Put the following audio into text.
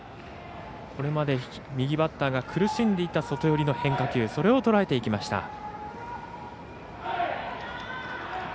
これまで右バッターが苦しんでいた外寄りの変化球それをとらえていきました。